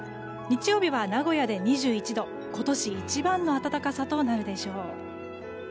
日曜日は名古屋で２１度今年一番の暖かさとなるでしょう。